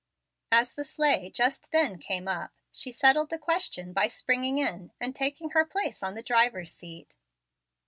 As the sleigh just then came up, she settled the question by springing in and taking her place on the driver's seat.